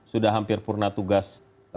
sudah hampir purna tugas